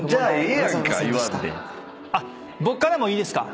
僕からもいいですか？